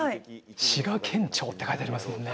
滋賀県庁って書いてありますもんね。